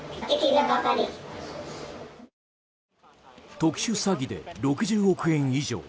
特殊詐欺で６０億円以上。